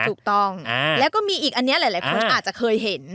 ถูกต้องแล้วก็มีอีกอันนี้หลายคนอาจจะเคยเห็น